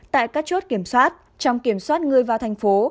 tại các chốt kiểm soát trong kiểm soát người vào thành phố